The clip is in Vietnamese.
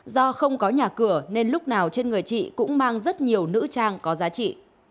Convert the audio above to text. do không có nhà cửa nên lúc nào trên người chị cũng mang rất nhiều nữ trang có giá trị